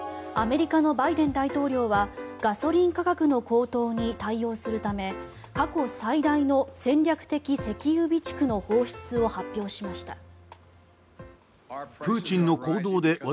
アメリカのバイデン大統領はガソリン価格の高騰に対応するため過去最大の戦略的石油備蓄の放出を発表しました。